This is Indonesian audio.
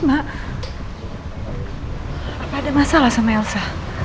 apa ada masalah sama elsa